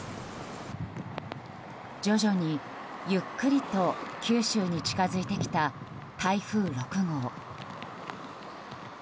徐々にゆっくりと九州に近づいてきた台風６号。